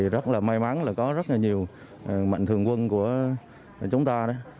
rất may mắn là có rất nhiều mạnh thường quân của chúng ta